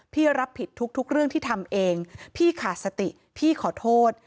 พี่รับผิดทุกเรื่องที่ทำเองพี่ขาดสติพี่ขอโทษ